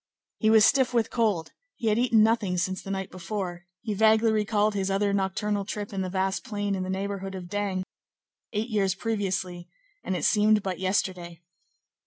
He was stiff with cold; he had eaten nothing since the night before; he vaguely recalled his other nocturnal trip in the vast plain in the neighborhood of D——, eight years previously, and it seemed but yesterday.